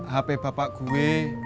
hp bapak gue